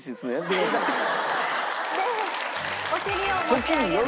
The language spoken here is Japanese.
お尻を持ち上げます。